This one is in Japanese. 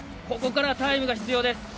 ここからタイムが必要です。